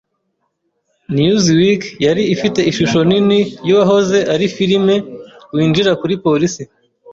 Newsweek yari ifite ishusho nini yuwahoze ari firime winjira kuri polisi.